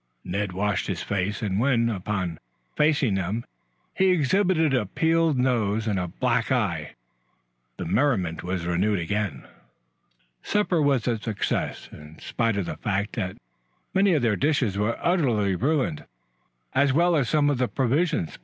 Ned washed his face, and when, upon facing them, he exhibited a peeled nose and a black eye, the merriment was renewed again. Supper was a success, in spite of the fact that many of their dishes were utterly ruined, as well as some of the provisions.